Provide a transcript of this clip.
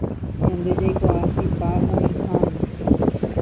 Ñande jaikuaa chipa oĩháme